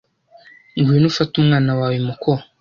Ngwino ufate umwana wawe muko